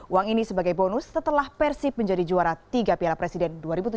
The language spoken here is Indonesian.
uang ini sebagai bonus setelah persib menjadi juara tiga piala presiden dua ribu tujuh belas